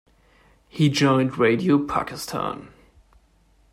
He joined Radio Pakistan.